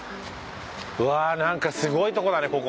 うわなんかすごいとこだね